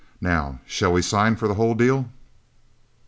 Now, shall we sign for the whole deal?"